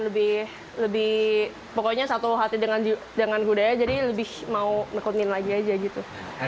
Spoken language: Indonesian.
lebih pokoknya satu hati dengan kudanya jadi lebih mau nekutin lagi aja gitu